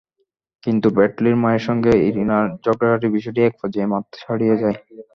কিন্তু ব্র্যাডলির মায়ের সঙ্গে ইরিনার ঝগড়াঝাঁটির বিষয়টি একপর্যায়ে মাত্রা ছাড়িয়ে যায়।